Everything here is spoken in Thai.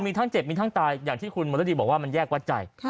มีทั้งเจ็บมีทั้งตายอย่างที่คุณมรดีบอกว่ามันแยกวัดใจ